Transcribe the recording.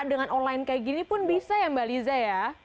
dengan online kayak gini pun bisa ya mbak liza ya